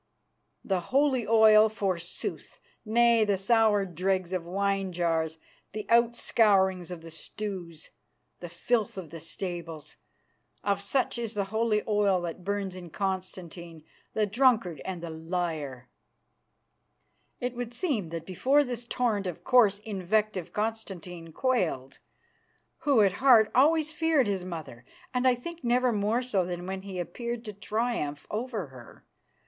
The holy oil forsooth! Nay, the sour dregs of wine jars, the outscourings of the stews, the filth of the stables, of such is the holy oil that burns in Constantine, the drunkard and the liar." It would seem that before this torrent of coarse invective Constantine quailed, who at heart always feared his mother, and I think never more so than when he appeared to triumph over her.